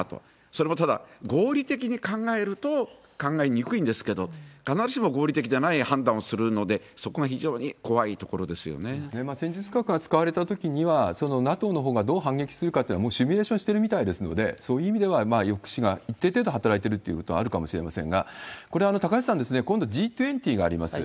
それもただ合理的に考えると考えにくいんですけど、必ずしも合理的ではない判断をするので、戦術核が使われたときには、ＮＡＴＯのほうがどう反撃するかというのは、もうシミュレーションしてるみたいですので、そういう意味では抑止が一定程度働いているということがあるかもしれませんが、これ、高橋さん、今度Ｇ２０があります。